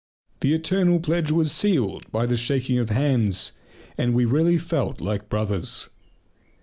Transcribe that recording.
The "eternal" pledge was sealed by the shaking of hands, and we really felt like brothers.